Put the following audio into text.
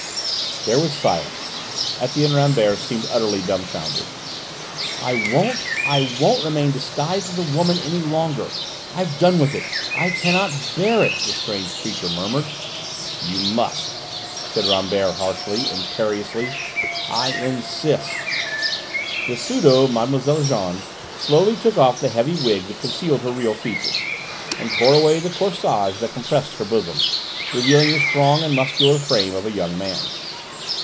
There was silence. Etienne Rambert seemed utterly dumbfounded. "I won't, I won't remain disguised as a woman any longer. I've done with it. I cannot bear it!" the strange creature murmured. "You must!" said Rambert harshly, imperiously. "I insist!" The pseudo Mlle. Jeanne slowly took off the heavy wig that concealed her real features, and tore away the corsage that compressed her bosom, revealing the strong and muscular frame of a young man.